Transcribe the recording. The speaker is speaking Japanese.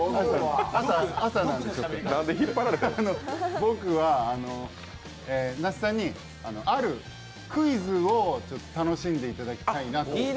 僕は那須さんにあるクイズを楽しんでいただきたいなと。